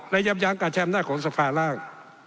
และย้ำย้ำกับแชมป์หน้าของสภาร่าง